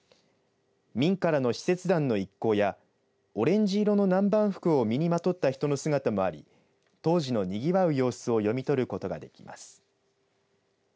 明からの使節団の一行やオレンジ色の南蛮服を身にまとった人の姿もあり当時のにぎわう様子を読み取ることができます。